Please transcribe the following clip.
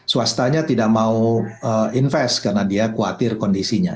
swastanya tidak mau invest karena dia khawatir kondisinya